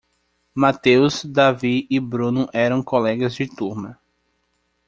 Matheus, Davi e Bruno eram colegas de turma.